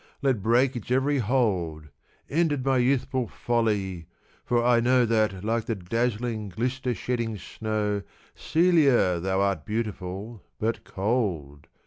Let break its every hold! Ended my youthful folly! for I know That, like the dazzling, glister shedding snow, Celia, thou art beautiful, but cold.